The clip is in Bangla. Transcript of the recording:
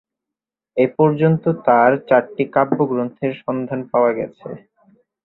এ পর্যন্ত তার চারটি কাব্যগ্রন্থের সন্ধান পাওয়া গেছে।